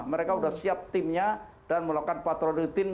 mereka sudah siap timnya dan melakukan patroli rutin